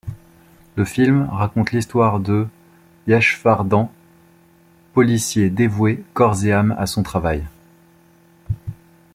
Le film raconte l'histoire de Yashvardhan, policier dévoué corps et âme à son travail.